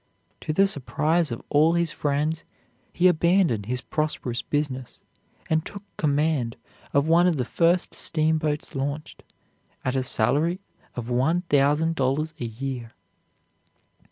To the surprise of all his friends, he abandoned his prosperous business and took command of one of the first steamboats launched, at a salary of one thousand dollars a year.